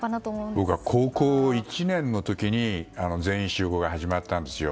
僕が高校１年の時に「全員集合」が始まったんですよ。